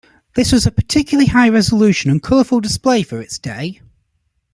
This was a particularly high-resolution and colorful display for its day.